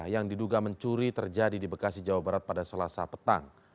yang diduga mencuri terjadi di bekasi jawa barat pada selasa petang